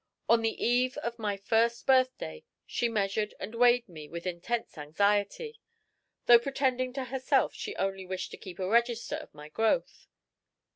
On the eve of my first birthday she measured and weighed me with intense anxiety, though pretending to herself she only wished to keep a register of my growth.